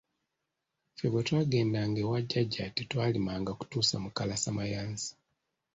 Ffe bwe twagendanga ewa jjaja tetwalimanga kutuusa mu kalasamayanzi.